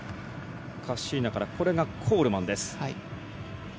カッシーナからコールマンです。